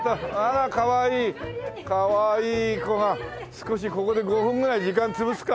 少しここで５分ぐらい時間潰すか。